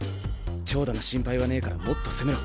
長打の心配はねえからもっと攻めろ。